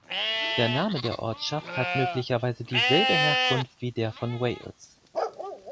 Der Name der Ortschaft hat möglicherweise dieselbe Herkunft wie der von Wales.